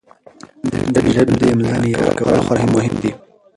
د ژبې د املاء معیار کول خورا مهم دي.